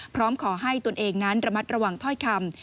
พร้อมขอให้ตนเองนั้นระมัดระวังถ้อยคำ